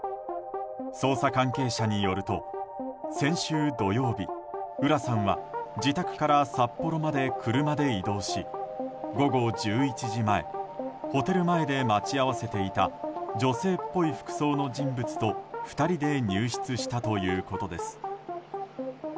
捜査関係者によると先週土曜日浦さんは、自宅から札幌まで車で移動し午後１１時前、ホテル前で待ち合わせていた女性っぽい服装の人物と２人で入室したということです。